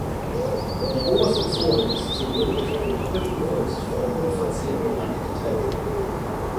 Die oberste Zone ist zudem durch einen doppelten Wulst vom unverzierten Rand getrennt.